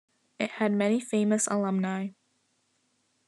It had many famous alumni.